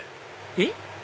えっ？